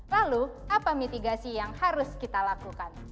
lalu apa mitigasi yang harus kita lakukan